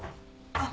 あっ。